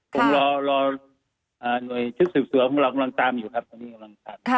คุณรอหน่วยชุดสืบส่วนพวกเรากำลังตามอยู่ครับ